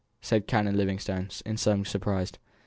said Canon Livingstone, in some surprise.